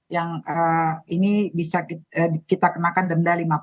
yang ini bisa kita kenakan denda lima puluh